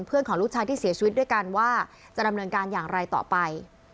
ของลูกชายที่เสียชีวิตด้วยกันว่าจะดำเนินการอย่างไรต่อไป